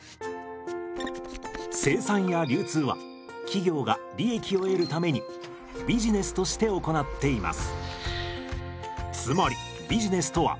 生産や流通は企業が利益を得るためにビジネスとして行っています。